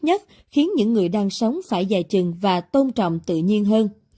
nhất khiến những người đang sống phải dài chừng và tôn trọng tự nhiên hơn